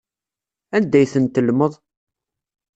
Anda ay tent-tellmeḍ?